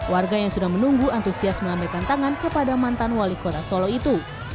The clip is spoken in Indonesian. warga yang sudah menunggu antusias melambaikan tangan kepada mantan wali kota solo itu